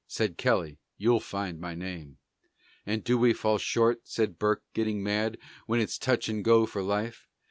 Said Kelly, "you'll find my name." "And do we fall short," said Burke, getting mad, "When it's touch and go for life?"